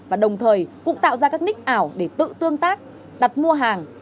và đồng thời cũng tạo ra các nick ảo để tự tương tác đặt mua hàng